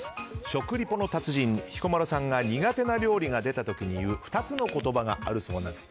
食リポの達人・彦摩呂さんが苦手な料理が出た時に言う２つの言葉があるそうなんです。